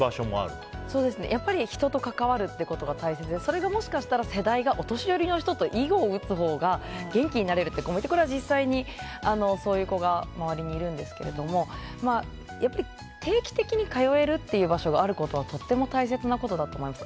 やっぱり人と関わるってことが大切でそれがもしかしたら、世代がお年寄りの人と囲碁を打つほうが元気になれるという実際、そういう子が周りにいるんですけどもやっぱり定期的に通えるって場所があることはとても大切なことだと思います。